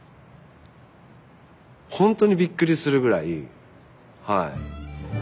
ほんとにびっくりするぐらいはい。